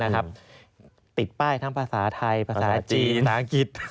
ติดป้ายทั้งภาษาไทยภาษาจีนภาษาอังกฤษ